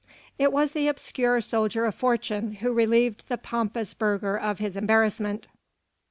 It was the obscure soldier of fortune who relieved the pompous burgher of his embarrassment.